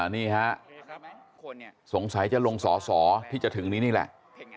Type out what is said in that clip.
นี่ฮะสงสัยจะลงสอสอที่จะถึงนี้นี่แหละ